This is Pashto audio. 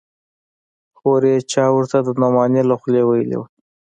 هورې چا ورته د نعماني له خولې ويلي و.